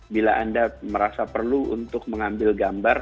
bila anda merasa perlu untuk mengambil gambar